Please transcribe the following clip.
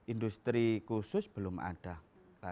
industri khusus belum ada